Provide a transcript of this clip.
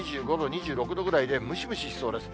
２５度、２６度ぐらいで、ムシムシしそうです。